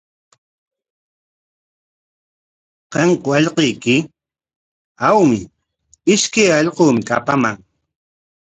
¿Kanku allquyki? Awmi, ishkay allquumi kapaman.